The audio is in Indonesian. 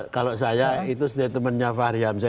kalau saya itu statementnya fahri hamzah